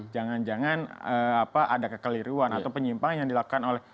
jangan jangan ada kekeliruan atau penyimpangan yang dilakukan oleh